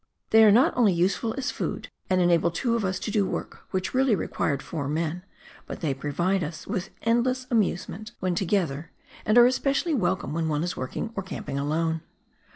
They are not only useful as food, and enabled two of us to do work which really re quired four men, but they provide us with endless amusement 36 PIONEER WORK IN THE ALPS OF NEW ZEALAND. when together, and are especially welcome when one is working or camping alone.